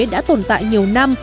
đã tồn tại nhiều năm